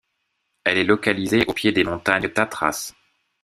Elle est localisée au pied des montagnes Tatras.